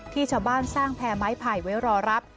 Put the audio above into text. ที่ชาวบ้านสร้างแพร่ไม้ไผ่ไว้รอรับ